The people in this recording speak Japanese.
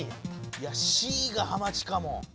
いやＣがハマチかも。